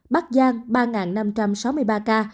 bắc giang ba năm trăm sáu mươi ba ca